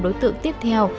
phải chọn mục tiêu